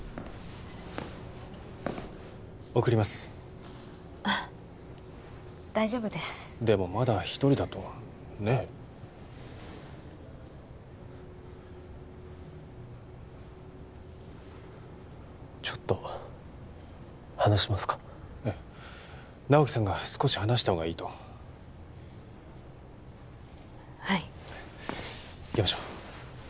送りますあ大丈夫ですでもまだ一人だとねえちょっと話しますかええ直木さんが少し話した方がいいとはい行きましょう